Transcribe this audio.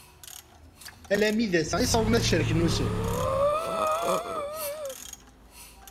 Alammi d ass i ssawḍen ad cerken ussu.